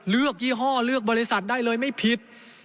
ยี่ห้อเลือกบริษัทได้เลยไม่ผิด